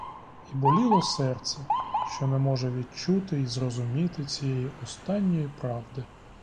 І боліло серце, що не може відчути й зрозуміти цієї останньої правди.